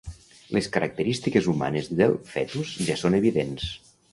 Les característiques humanes del fetus ja són evidents.